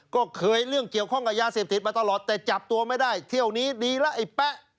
ก็เคยเรื่องเกี่ยวข้องกับยาเสพติดมาตลอดแต่จับตัวไม่ได้เที่ยวนี้ดีแล้วไอ้แป๊ะ